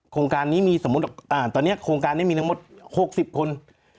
โครงการนี้มีสมมุติตอนนี้โครงการนี้มีทั้งหมด๖๐คน